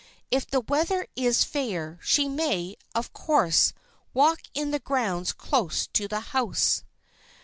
If the weather is fair, she may, of course, walk in the grounds close to the house.